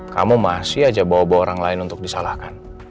kamu masih aja bawa bawa orang lain untuk disalahkan